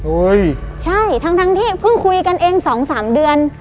ใช่ทั้งทั้งที่เพิ่งคุยกันเองสองสามเดือน